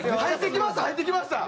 入ってきました。